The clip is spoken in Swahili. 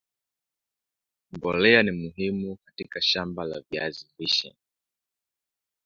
mbolea ni muhimu katika shamba la viazi lishe